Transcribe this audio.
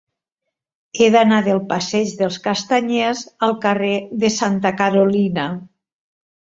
He d'anar del passeig dels Castanyers al carrer de Santa Carolina.